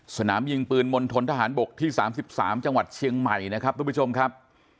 สนามยิงปืนมณฑนทหารบกที่๓๓จังหวัดเชียงใหม่นะครับทุกผู้ชมครับ